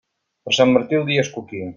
Per Sant Martí, el dia és coquí.